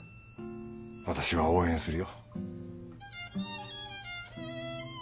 私は応援するよ。